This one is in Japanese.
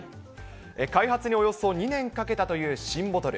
開発におよそ２年かけたという新ボトル。